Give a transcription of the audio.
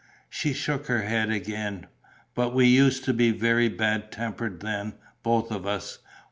She shook her head again. "But we used to be very bad tempered then, both of us.